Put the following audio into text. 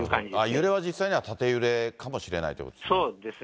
揺れは実際には縦揺れかもしれないということですね。